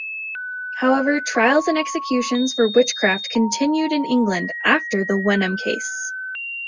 However, trials and executions for witchcraft continued in England after the Wenham case.